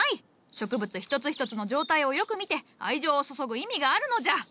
植物一つ一つの状態をよく見て愛情を注ぐ意味があるのじゃ。